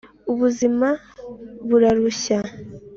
ubuzima burarushya